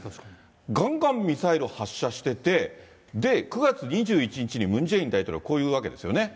がんがんミサイルを発射してて、で、９月２１日にムン・ジェイン大統領、こう言うわけですよね。